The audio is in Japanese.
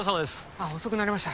あっ遅くなりました。